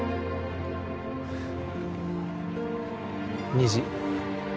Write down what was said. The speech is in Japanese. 虹